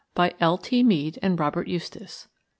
BY L. T. MEADE AND ROBERT EUSTACE.